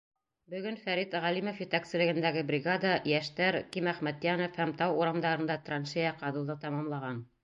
Бөгөн Фәрит Ғәлимов етәкселегендәге бригада Йәштәр, Ким Әхмәтйәнов һәм Тау урамдарында траншея ҡаҙыуҙы тамамлаған.